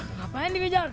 ngapain nih kejar